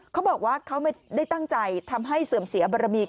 เขาบอกว่าเขาไม่ได้ตั้งใจทำให้เสื่อมเสียบรมี